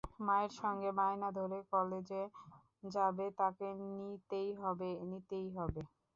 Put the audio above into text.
মায়ের সঙ্গে বায়না ধরে কলেজে যাবে, তাকে নিতেই হবে, নিতেই হবে।